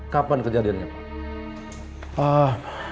kapan kejadiannya pak